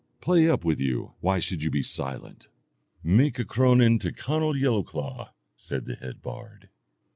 'Play up with you, why should you be silent? Make a cronan to Conall Yellowclaw,' said the head bard.